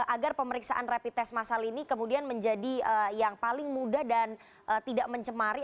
agar pemeriksaan rapid test masal ini kemudian menjadi yang paling mudah dan tidak mencemari